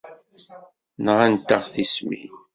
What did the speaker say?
Nɣant-aɣ tissmin.